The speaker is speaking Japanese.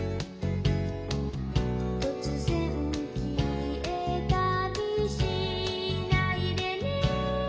「突然消えたりしないでね」